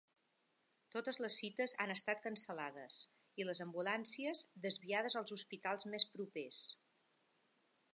Totes les cites han estat cancel·lades i les ambulàncies, desviades als hospitals més propers.